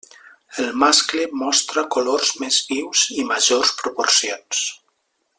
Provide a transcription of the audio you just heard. El mascle mostra colors més vius i majors proporcions.